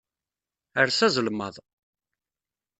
Err s azelmaḍ.